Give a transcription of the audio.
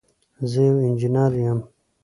زه یو انجنير یم.